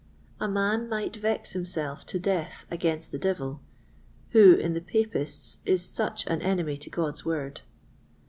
"A man might vex himself to death against the devil, who, in the Papists, is such an enemy to God's Word.